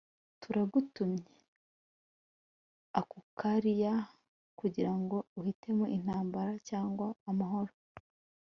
turagutumye, akukaliya, kugirango uhitemo intambara cyangwa amahoro